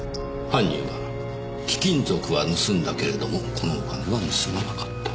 犯人は貴金属は盗んだけれどもこのお金は盗まなかった。